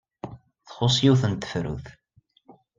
Txuṣṣ yiwet n tefrut.